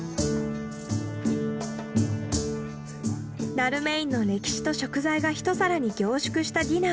ダルメインの歴史と食材が一皿に凝縮したディナー。